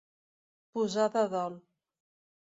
Posar de dol.